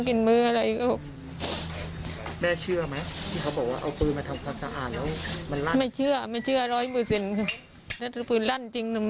กินมื้ออะไรก็แม่เชื่อไหมที่เขาบอกว่าเอาปืนมาทำ